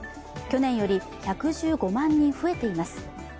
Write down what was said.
去年より１１５万人増えています。